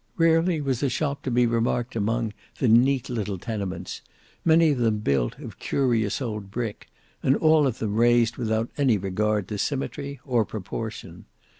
Rarely was a shop to be remarked among the neat little tenements, many of them built of curious old brick, and all of them raised without any regard to symmetry or proportion.